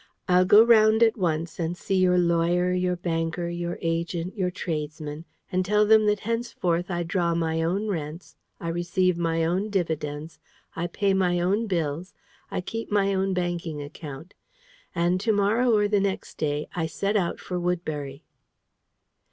I 'll go round at once and see your lawyer, your banker, your agent, your tradesmen, and tell them that henceforth I draw my own rents, I receive my own dividends, I pay my own bills, I keep my own banking account. And to morrow or the next day I set out for Woodbury."